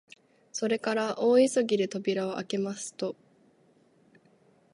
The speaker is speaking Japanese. それから大急ぎで扉をあけますと、